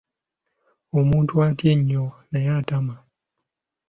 Omuntu atya ennyo naye atama.